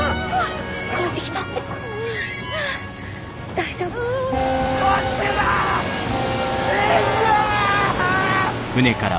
大丈夫か？